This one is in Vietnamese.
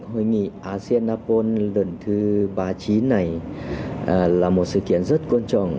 hội nghị asean apol lần thứ ba mươi chín này là một sự kiện rất quan trọng